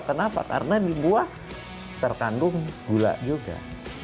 kenapa karena di buah terkandung gula juga